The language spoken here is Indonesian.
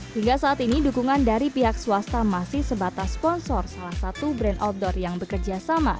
hingga saat ini dukungan dari pihak swasta masih sebatas sponsor salah satu brand outdoor yang bekerja sama